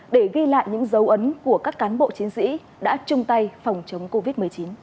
để ghi lại những dấu ấn của các cán bộ chiến sĩ đã chung tay phòng chống covid một mươi chín